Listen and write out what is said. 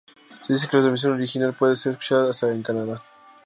Se dice que la transmisión original pudo ser escuchada hasta en Canadá.